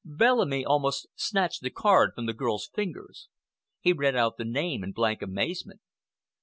Bellamy almost snatched the card from the girl's fingers. He read out the name in blank amazement.